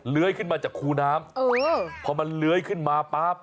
เลื้อยขึ้นมาจากคูน้ำเพราะมันเลื้อยขึ้นมาปั๊บ